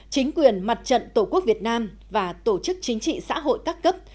chính quyền mặt trận tổ quốc việt nam và tổ chức chính trị xã hội các cấp